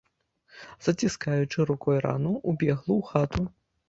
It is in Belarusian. Заціскаючы рукой рану, убегла ў хату.